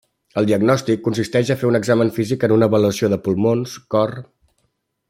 El diagnòstic consisteix a fer un examen físic en una avaluació de pulmons, cor.